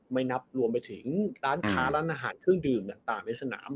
ไม่นับรวมไปถึงร้านค้าร้านอาหารเครื่องดื่มต่างในสนาม